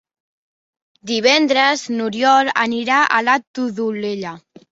Divendres n'Oriol anirà a la Todolella.